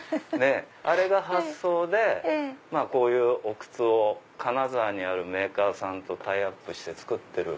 あれが発想でこういうお靴を金沢にあるメーカーさんとタイアップして作ってる。